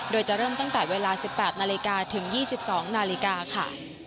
โดยจะเริ่มตั้งแต่เวลา๑๘นาฬิกาถึง๒๒นาฬิกาค่ะ